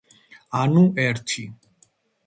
ანუ ერთი.